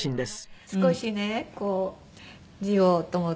少しねこう字をと思って始めました。